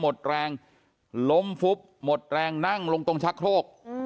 หมดแรงล้มฟุบหมดแรงนั่งลงตรงชักโครก